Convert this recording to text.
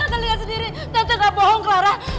tante lihat sendiri tante gak bohong clara